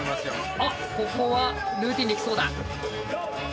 あっここはルーティーンで来そうだ。